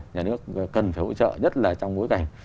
nhà nước cần phải hỗ trợ nhất là trong bối cảnh